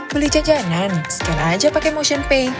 beli jajanan scan aja pake motionpay